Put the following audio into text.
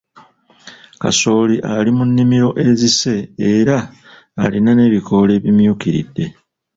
Kasooli ali mu nnimiro ezise era alina n'ebikoola ebimyukiridde.